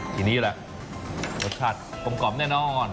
ทีนี้แหละรสชาติกลมกล่อมแน่นอน